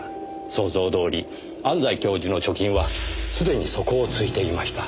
想像どおり安西教授の貯金はすでに底をついていました。